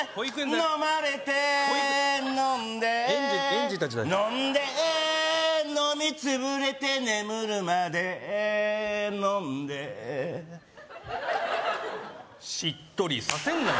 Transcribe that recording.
飲まれて飲んで園児達だけど飲んで飲みつぶれて寝むるまで飲んでしっとりさせんなよ